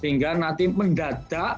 sehingga nanti mendadak